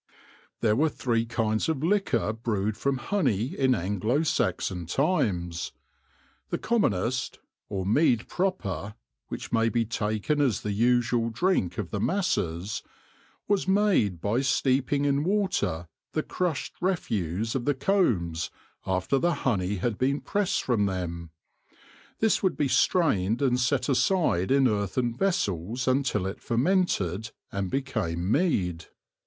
There were three kinds of liquor brewed from honey in Anglo Saxon times. The commonest, or mead proper, which may be taken as the usual drink of the masses, was made by steeping in water the crushed refuse of the combs after the honey had been pressed from them. This would be strained and set aside in earthern vessels until it fermented and became mead.